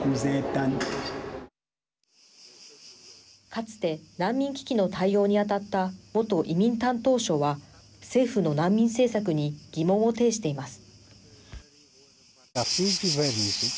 かつて難民危機の対応に当たった元移民担当相は政府の難民政策に疑問を呈しています。